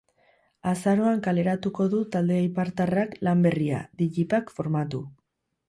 Azaroan kaleratuko du talde eibartarrak lan berria, digipack formatu.